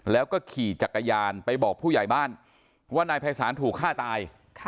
แล้วก็ขี่จักรยานไปบอกผู้ใหญ่บ้านว่านายภัยศาลถูกฆ่าตาย